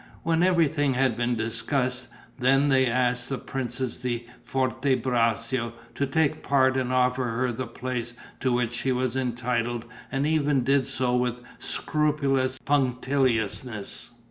When everything had been discussed, then they asked the Princess di Forte Braccio to take part and offered her the place to which she was entitled and even did so with scrupulous punctiliousness.